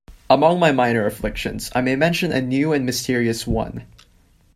Among my minor afflictions, I may mention a new and mysterious one.